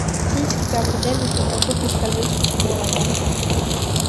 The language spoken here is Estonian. Siiski peab ta tervislikel põhjustel võistluse pooleli jätma.